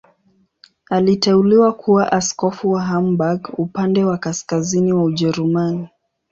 Aliteuliwa kuwa askofu wa Hamburg, upande wa kaskazini wa Ujerumani.